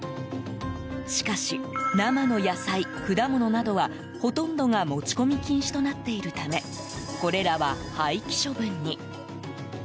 しかし、生の野菜、果物などはほとんどが持ち込み禁止となっているためこれらは廃棄処分に。